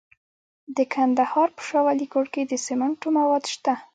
د کندهار په شاه ولیکوټ کې د سمنټو مواد شته.